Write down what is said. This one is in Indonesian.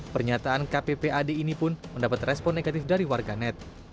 pernyataan kppad ini pun mendapat respon negatif dari warganet